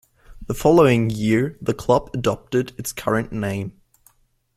The following year the club adopted its current name.